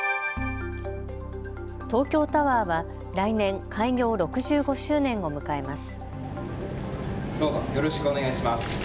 東京タワーは来年、開業６５周年を迎えます。